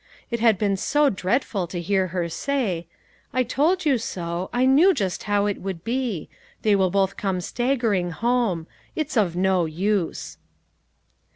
It had been so dread ful to hear her say: "I told you so; I knew just how it would be. They will both come staggering home. It's of no use."